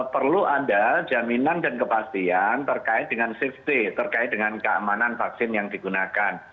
perlu ada jaminan dan kepastian terkait dengan safety terkait dengan keamanan vaksin yang digunakan